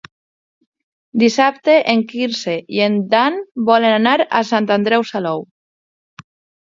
Dissabte en Quirze i en Dan volen anar a Sant Andreu Salou.